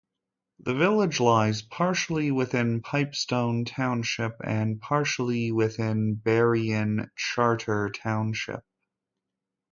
The village lies partially within Pipestone Township and partially within Berrien Charter Township.